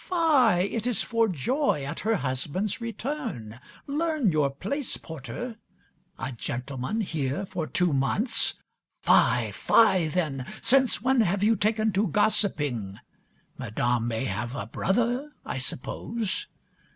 Fie! It is for joy at her husband's return. Learn your place, Porter. A gentleman here for two months? Fie! Fie, then! Since when have you taken to gossiping. Madame may have a brother, I suppose.